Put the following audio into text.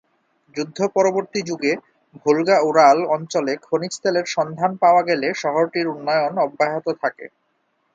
যুদ্ধ-পরবর্তী যুগে ভোলগা-উরাল অঞ্চলে খনিজ তেলের সন্ধান পাওয়া গেলে শহরটির উন্নয়ন অব্যাহত থাকে।